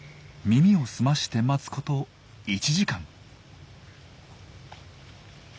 耳を澄まして待つこと１時間。